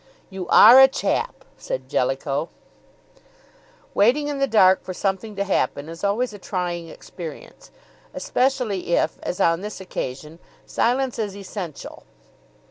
"You are a chap!" said Jellicoe. Waiting in the dark for something to happen is always a trying experience, especially if, as on this occasion, silence is essential.